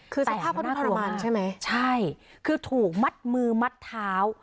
คือสภาพเขาดูทรมานใช่ไหมใช่คือถูกมัดมือมัดเท้า